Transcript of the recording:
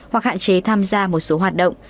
hoặc hạn chế tham gia một số hoạt động